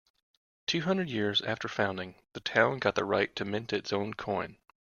Two hundred years after founding, the town got the right to mint its own coin.